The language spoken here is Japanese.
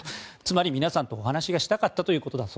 つまり皆さんとお話がしたかったと。